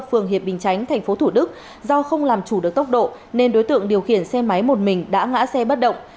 phường hiệp bình chánh tp thủ đức do không làm chủ được tốc độ nên đối tượng điều khiển xe máy một mình đã ngã xe bất động